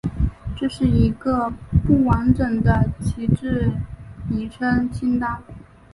这是一个不完整的旗帜昵称清单。